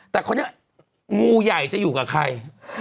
แต่เขาเนี่ยงูใหญ่จะอยู่กับใคร